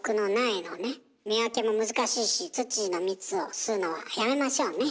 見分けも難しいしツツジの蜜を吸うのはやめましょうね。